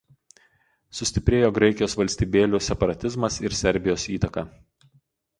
Sustiprėjo Graikijos valstybėlių separatizmas ir Serbijos įtaka.